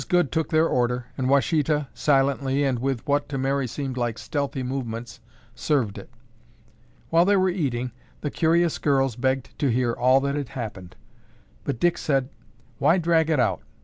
Goode took their order, and Washita silently, and, with what to Mary seemed like stealthy movements, served it. While they were eating, the curious girls begged to hear all that had happened, but Dick said, "Why drag it out?